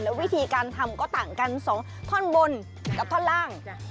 วิธีการทำก็ต่างกัน๒ท่อนบนกับท่อนล่าง